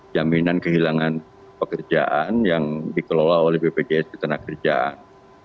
jaminan kehilangan pekerjaan yang dikelola oleh bpjs ketenagakerjaan